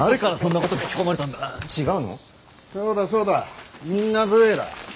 そうだそうだみんな武衛だ。